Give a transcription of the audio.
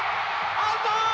アウト！